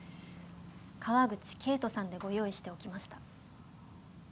「川口圭人さん」でご用意しておきました。